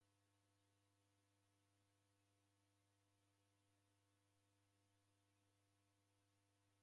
Disejhe vindo vose, disighare vimu.